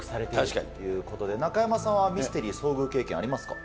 確かに。ということで、中山さんはミステリー、遭遇経験ありますか？